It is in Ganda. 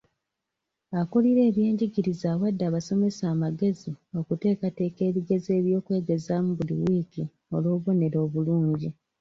Akulira ebyenjigiriza awadde abasomesa amagezi okuteeketeeka ebigezo by'okwegezaamu buli wiiki olw'obubonero obulungi.